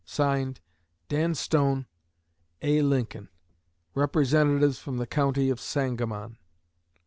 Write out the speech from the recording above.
(Signed) DAN STONE, A. LINCOLN, _Representatives from the County of Sangamon.